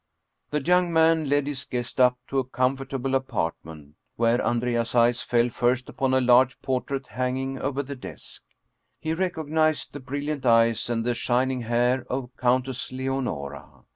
The young man led his guest up to a comfortable apart ment, where Andrea's eyes fell first upon a large portrait hanging over the desk. He recognized the brilliant eyes and the shining hair of Countess Leonora.